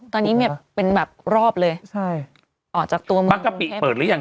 ตอนนี้เนี่ยเป็นแบบรอบเลยใช่ออกจากตัวเมืองบางกะปิเปิดหรือยัง